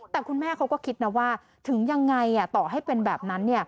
แต่คุณแม่เขาก็คิดนะว่าถึงยังไงต่อให้เป็นแบบนั้น